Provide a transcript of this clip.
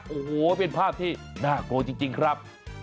โอ้โหเป็นภาพที่น่ากลัวจริงครับ